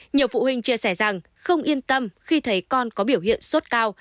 nhiều phụ huynh chia sẻ rằng không yên tâm khi thấy con có biểu hiện sốt cao